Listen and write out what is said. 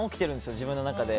自分の中で。